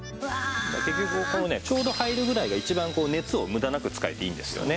結局このねちょうど入るぐらいが一番熱を無駄なく使えていいんですよね。